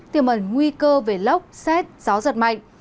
tiềm ẩn nguy cơ về lốc xét gió giật mạnh